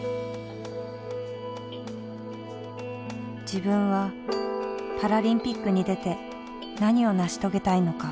自分はパラリンピックに出て何を成し遂げたいのか。